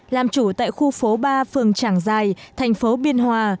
làm chủ tại khu phố ba phương trảng giai thành phố biên hòa